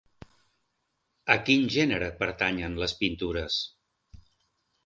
A quin gènere pertanyen les pintures?